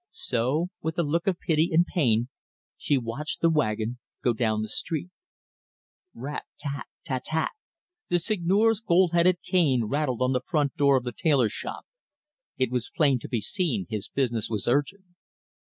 So, with a look of pity and pain, she watched the wagon go down the street. Rat tat tat tat tat! the Seigneur's gold headed cane rattled on the front door of the tailor shop. It was plain to be seen his business was urgent.